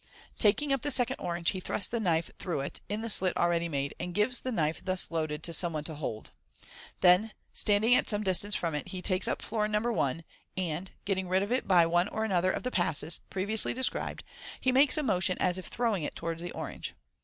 Taking up the second orange, he thrusts the kmfe through it, in the slit already made, and gives the knife thus loaded to some one to hold. Then, standing at some distance from it, he takes up florin No. 1, and, getting rid of it by one or other of the " passes * previously described, he makes a motion as of throwing it towards the orange.